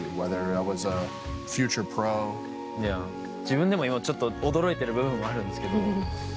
自分でも今ちょっと驚いてる部分もあるんですけど。